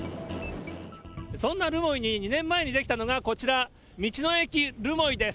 そんな留萌に２年前に出来たのがこちら、道の駅るもいです。